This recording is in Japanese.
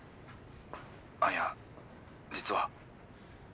あっいや実は。